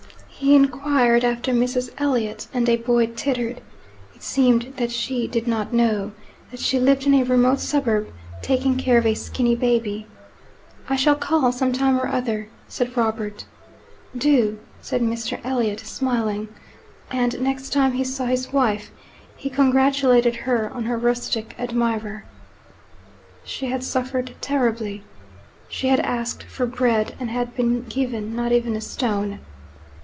He inquired after Mrs. Elliot, and a boy tittered. It seemed that she "did not know," that she lived in a remote suburb, taking care of a skinny baby. "I shall call some time or other," said Robert. "Do," said Mr. Elliot, smiling. And next time he saw his wife he congratulated her on her rustic admirer. She had suffered terribly. She had asked for bread, and had been given not even a stone.